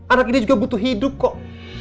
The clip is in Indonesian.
anak ini juga butuh hidup kok